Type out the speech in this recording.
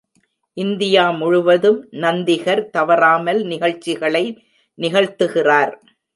India முழுவதும் நந்திகர் தவறாமல் நிகழ்ச்சிகளை நிகழ்த்துகிறார்